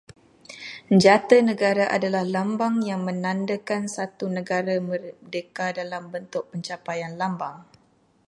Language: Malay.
Jata negara adalah lambang yang menandakan satu negara merdeka dalam bentuk pencapaian lambang